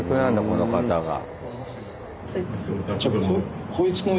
この方が。